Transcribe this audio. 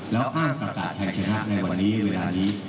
แล้วอ้างประกาศชายชนะในวันนี้เวลานี้